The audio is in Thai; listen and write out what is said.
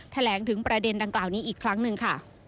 แถลงถึงประเด็นดังกล่าวนี้อีกครั้งหนึ่งค่ะ